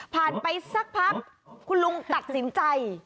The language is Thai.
ไปสักพักคุณลุงตัดสินใจ